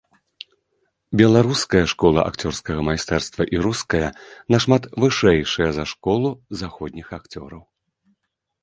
Беларуская школа акцёрскага майстэрства і руская нашмат вышэйшая за школу заходніх акцёраў.